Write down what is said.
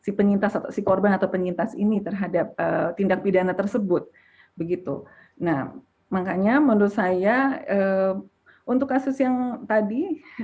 si penyintas atau si korban atau penyintas ini terhadap tindak pidana tersebut begitu nah makanya menurut saya untuk kasus yang tadi